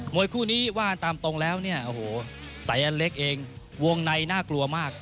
วยคู่นี้ว่ากันตามตรงแล้วเนี่ยโอ้โหสายอันเล็กเองวงในน่ากลัวมาก